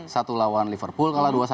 satu lawan liverpool kalah dua satu